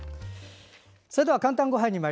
それでは「かんたんごはん」です。